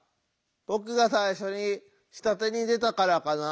僕が最初に下手にでたからかな？